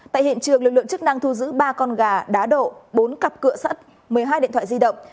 tại hiện trường lực lượng chức năng thu giữ ba con gà đá độ bốn cặp cửa sắt một mươi hai điện thoại di động